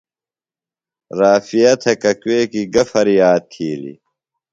رافعہ تھےۡ ککوکیۡ گہ فریاد تِھیلیۡ؟